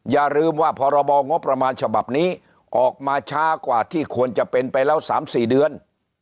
อย่าลืมว่าพรบงบประมาณฉบับนี้ออกมาช้ากว่าที่ควรจะเป็นไปแล้ว๓๔เดือน